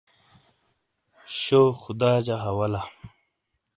شو خدا جا حوالا